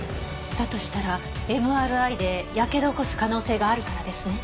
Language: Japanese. だとしたらＭＲＩでやけどを起こす可能性があるからですね。